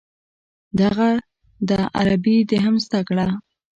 دغه ده عربي دې هم زده کړه.